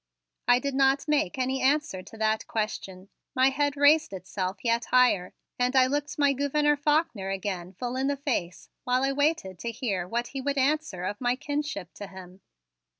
I did not make any answer to that question. My head raised itself yet higher, and I looked my Gouverneur Faulkner again full in the face while I waited to hear what he would answer of my kinship to him.